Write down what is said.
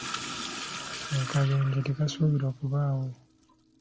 Akabenje tekasuubirwa kubaawo.